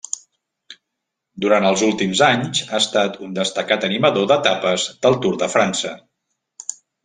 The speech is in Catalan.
Durant els últims anys ha estat un destacat animador d'etapes del Tour de França.